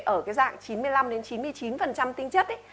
ở cái dạng chín mươi năm chín mươi chín tinh chất